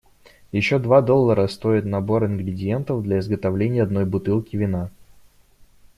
Ещё два доллара стоит набор ингредиентов для изготовления одной бутылки вина.